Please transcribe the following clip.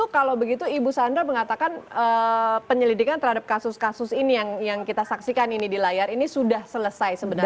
kalau begitu ibu sandra mengatakan penyelidikan terhadap kasus kasus ini yang kita saksikan ini di layar ini sudah selesai sebenarnya